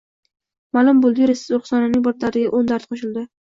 Ma`lum bo`ldi-yu, Ruxsoraning bir dardiga o`n dard qo`shildi